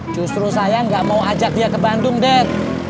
justru saya gak mau ajak dia ke bandung dad